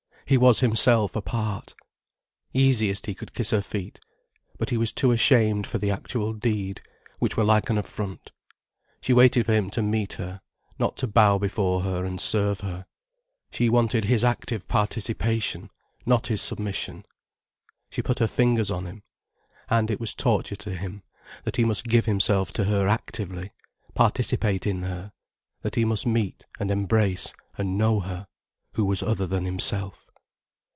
He was himself apart. Easiest he could kiss her feet. But he was too ashamed for the actual deed, which were like an affront. She waited for him to meet her, not to bow before her and serve her. She wanted his active participation, not his submission. She put her fingers on him. And it was torture to him, that he must give himself to her actively, participate in her, that he must meet and embrace and know her, who was other than himself.